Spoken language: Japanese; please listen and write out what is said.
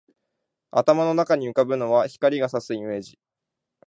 頭の中に浮ぶのは、光が射すイメージ